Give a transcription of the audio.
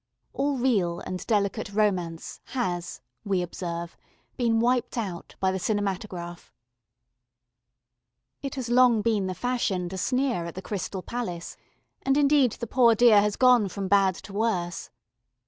All real and delicate romance has, we observe, been wiped out by the cinematograph. [Illustration: THE HALL OF PEARL AND RED] It has long been the fashion to sneer at the Crystal Palace, and indeed the poor dear has gone from bad to worse.